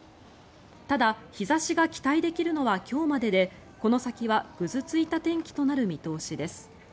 ただ、日差しが期待できるのは今日まででこの先はぐずついた天気となる見通しです。